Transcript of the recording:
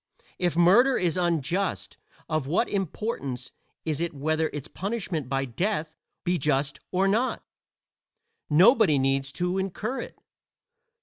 If murder is unjust of what importance is it whether its punishment by death be just or not? nobody needs to incur it.